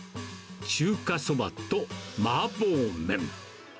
中華そばと麻婆麺。